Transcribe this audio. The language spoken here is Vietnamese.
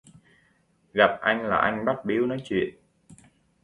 Gặp anh là anh bắt bíu nói chuyện